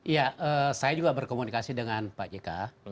ya saya juga berkomunikasi dengan pak jk